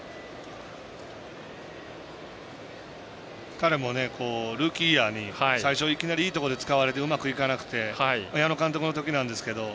彼もルーキーイヤーに最初いきなりいいところで使われてうまくいかなくて矢野監督の時なんですけど。